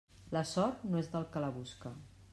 La sort no és del que la busca.